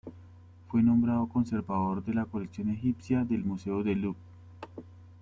Fue nombrado conservador de la colección egipcia del museo del Louvre.